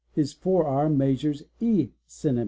His forearm measures ¢ cms.